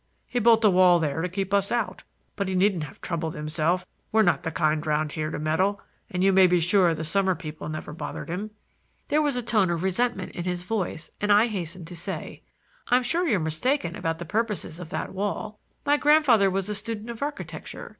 He built a wall there to keep us out, but he needn't have troubled himself. We're not the kind around here to meddle, and you may be sure the summer people never bothered him." There was a tone of resentment in his voice, and I hastened to say: "I'm sure you're mistaken about the purposes of that wall. My grandfather was a student of architecture.